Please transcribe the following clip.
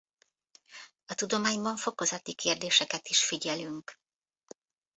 A tudományban fokozati kérdéseket is figyelünk.